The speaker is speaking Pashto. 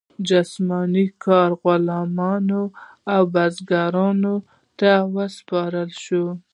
جسمي کار غلامانو او بزګرانو ته وسپارل شو.